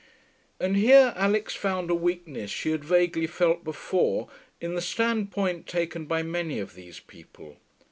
And here Alix found a weakness she had vaguely felt before in the standpoint taken by many of these people.